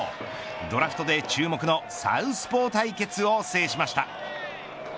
ドラフトで注目のサウスポー対決を制しました。